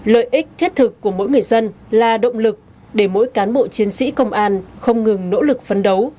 lợi ích thiết thực của mỗi người dân là động lực để mỗi cán bộ chiến sĩ công an không ngừng nỗ lực phấn đấu